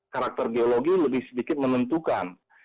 karakter geologi lebih sedikit menentukan